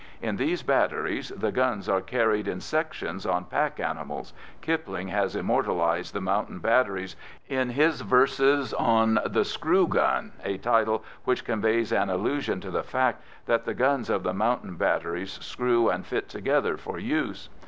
In these batteries the guns are carried in sections on pack animals; Kipling has immortalised the Mountain Batteries in his verses on "The Screw Guns," a title which conveys an allusion to the fact that the guns of the Mountain Batteries screw and fit together for use.